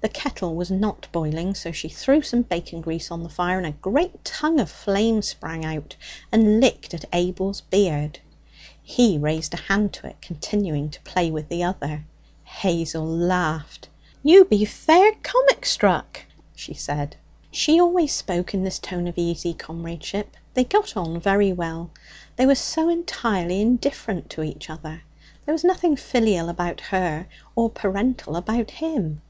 The kettle was not boiling, so she threw some bacon grease on the fire, and a great tongue of flame sprang out and licked at Abel's beard. He raised a hand to it, continuing to play with the other. Hazel laughed. 'You be fair comic struck,' she said. She always spoke in this tone of easy comradeship; they got on very well; they were so entirely indifferent to each other. There was nothing filial about her or parental about him.